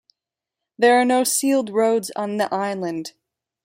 There are no sealed roads on the island.